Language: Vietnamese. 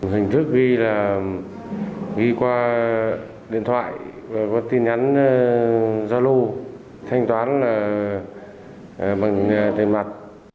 hình thức ghi là ghi qua điện thoại có tin nhắn zalo thanh toán bằng tên mặt